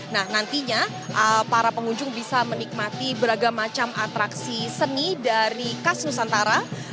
nah nantinya para pengunjung bisa menikmati beragam macam atraksi seni dari kas nusantara